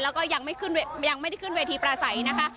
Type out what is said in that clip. แล้วก็ยังไม่ได้ขึ้นเวทีปลาใสนะคะ